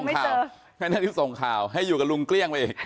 เดี๋ยวให้น้าริสส่งข่าวให้อยู่กับลุงเกลี้ยงไปเอง